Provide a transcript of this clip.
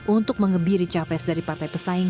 untuk mengebiri capres dari partai pesaing